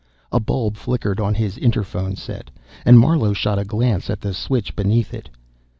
A bulb flickered on his interphone set, and Marlowe shot a glance at the switch beneath it.